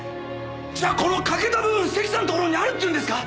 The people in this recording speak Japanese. じゃあこの欠けた部分関さんのところにあるって言うんですか？